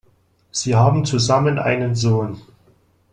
Sie haben zusammen einen Sohn.